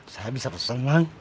saya bisa pesen mak